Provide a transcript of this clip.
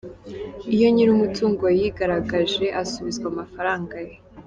Iyo nyir’umutungo yigaragaje asubizwa amafaranga ye.